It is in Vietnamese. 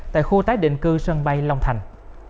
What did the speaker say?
tại khu tái định cư sân bay long thành